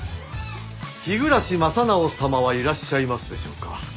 日暮正直様はいらっしゃいますでしょうか？